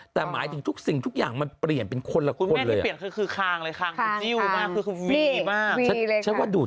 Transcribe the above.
แม่ไม่เคยเสพติดสายเกมเลยลูก